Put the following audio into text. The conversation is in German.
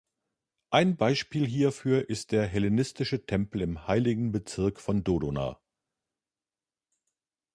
Ein Beispiel hierfür ist der hellenistische Tempel im Heiligen Bezirk von Dodona.